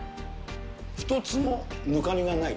一つもぬかりがない。